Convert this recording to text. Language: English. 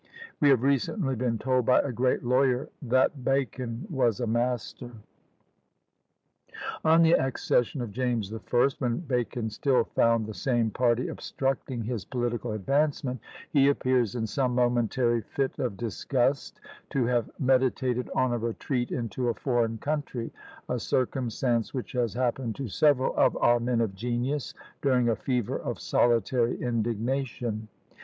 We have recently been told by a great lawyer that "Bacon was a master." On the accession of James the First, when Bacon still found the same party obstructing his political advancement, he appears, in some momentary fit of disgust, to have meditated on a retreat into a foreign country; a circumstance which has happened to several of our men of genius, during a fever of solitary indignation.